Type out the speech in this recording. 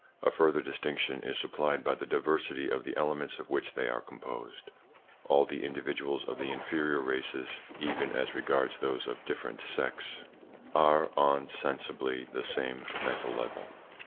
A further distinction is supplied by the diversity of the elements of which they are composed. All the individuals of the inferior races, even as regards those of different sex, are on 39 40 THE PSYCHOLOGY OF PEOPLES: sensibly the same mental level.